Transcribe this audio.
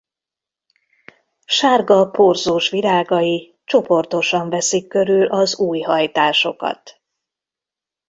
Sárga porzós virágai csoportosan veszik körül az új hajtásokat.